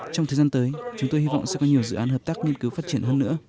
trong thời gian tới chúng tôi hy vọng sẽ có nhiều dự án hợp tác nghiên cứu phát triển hơn nữa